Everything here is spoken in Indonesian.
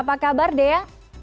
apa kabar dea